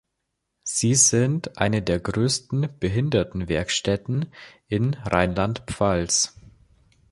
Sie sind eine der größten Behinderten-Werkstätten in Rheinland-Pfalz.